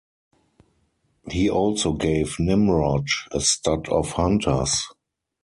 He also gave Nimrod a stud of hunters.